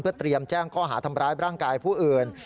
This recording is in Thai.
เตรียมแจ้งข้อหาทำร้ายร่างกายผู้อื่น